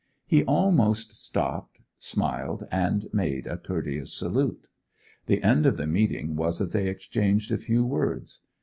He almost stopped, smiled, and made a courteous salute. The end of the meeting was that they exchanged a few words.